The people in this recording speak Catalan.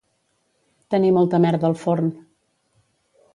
Tenir molta merda al forn